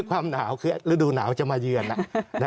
ความหนาวคือฤดูหนาวจะมาเยือน